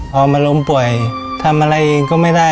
พอมาล้มป่วยทำอะไรเองก็ไม่ได้